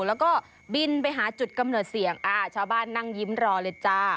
แล้วก็บินไปหาจุดกำเนิดเสียงอ่าชาวบ้านนั่งยิ้มรอเลยจ้า